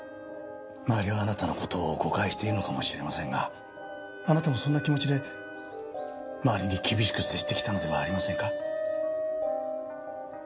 周りはあなたの事を誤解しているのかもしれませんがあなたもそんな気持ちで周りに厳しく接してきたのではありませんか？